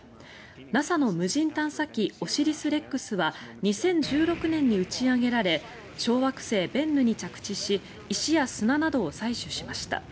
ＮＡＳＡの無人探査機オシリス・レックスは２０１６年に打ち上げられ小惑星ベンヌに着地し石や砂などを採取しました。